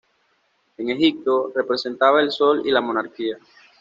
En Egipto, representaba el Sol y la Monarquía.